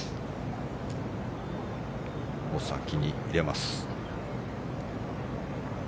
お先に入れます。